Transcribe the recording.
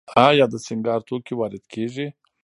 آیا د سینګار توکي وارد کیږي؟